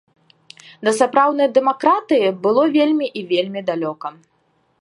Да сапраўднай дэмакратыі было вельмі і вельмі далёка.